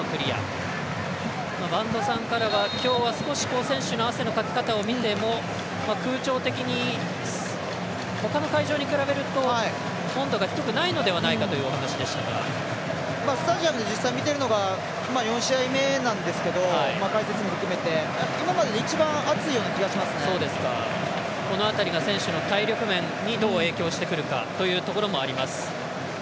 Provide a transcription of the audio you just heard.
播戸さんからは少し今日の選手の汗のかき方を見ても、空調的にほかの会場に比べると温度が低くないのではというスタジアムで実際見てるのが４試合目なんですけれど解説も含めて今まで一番暑いようなこの辺りが選手の体力面にどう影響してくるかというところもあります。